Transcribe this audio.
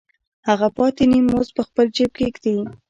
هغه پاتې نیم مزد په خپل جېب کې ږدي